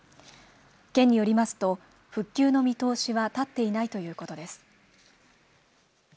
県によりますと復旧の見通しは立っていないということです。